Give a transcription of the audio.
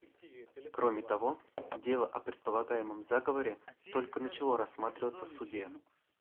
Кроме того, дело о предполагаемом заговоре только начало рассматриваться в Суде.